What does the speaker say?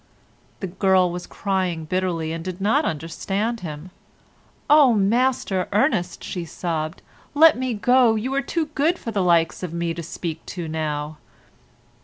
The girl was crying bitterly and did not understand him. "Oh, Master Ernest," she sobbed, "let me go; you are too good for the likes of me to speak to now."